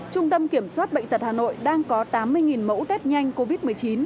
trung tâm kiểm soát bệnh tật hà nội đang có tám mươi mẫu test nhanh covid một mươi chín